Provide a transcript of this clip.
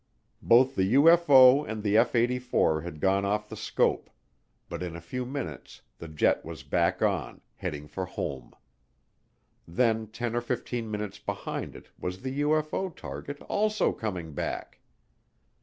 Both the UFO and the F 84 had gone off the scope, but in a few minutes the jet was back on, heading for home. Then 10 or 15 miles behind it was the UFO target also coming back.